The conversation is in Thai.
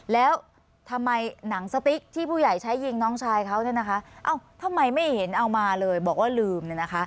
แล้วทำไมหนังสติ๊กที่ผู้ใหญ่ใช้ยิงน้องชายเขาทำไมไม่เห็นเอามาเลยบอกว่าลืม